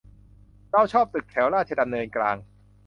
เราชอบตึกแถวราชดำเนินกลาง